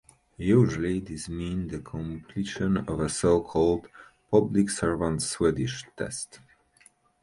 Usually this means the completion of a so-called "public servant's Swedish" test.